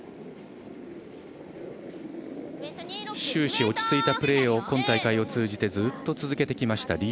終始落ち着いたプレーを今大会通じてずっと続けてきました